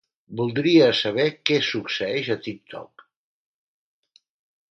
Voldria saber què succeeix a TikTok.